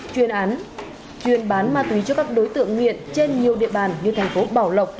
chuyên án chuyên bán ma túy cho các đối tượng nguyện trên nhiều địa bàn như thành phố bảo lộc